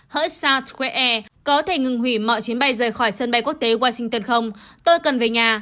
hỡi south square air có thể ngừng hủy mọi chuyến bay rời khỏi sân bay quốc tế washington không tôi cần về nhà